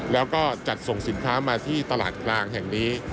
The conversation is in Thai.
แล้วก็จัดส่งสินค้ามาที่ตลาดกลางแห่งนี้